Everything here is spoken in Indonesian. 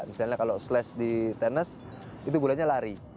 misalnya kalau slash di tenis itu bulannya lari